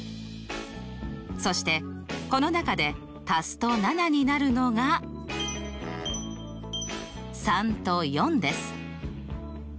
そしてこの中で足すと７になるのが３と４です。